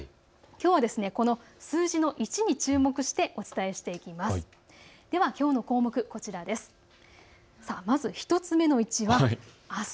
この数字の１に注目してお伝えしていきます。